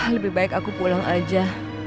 lebih baik aku pulang aja